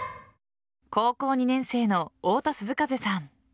高校２年生の太田涼風さん。